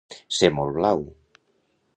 Ser molt blau.